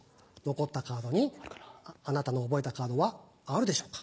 残ったカードにあなたの覚えたカードはあるでしょうか？